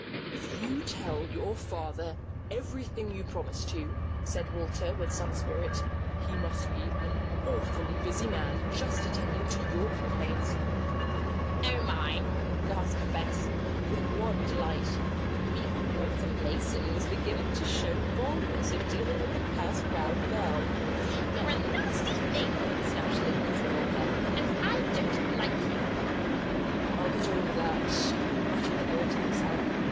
"If you tell your father everything you promise to," said Walter, with some spirit, "he must be an awfully busy man just attending to your complaints." "Oh, my!" gasped Bess, with wan delight. Meek Walter Mason was beginning to show boldness in dealing with the purse proud girl. "You're a nasty thing!" snapped Linda to Walter. "And I don't like you." "I'll get over that," muttered the boy to himself.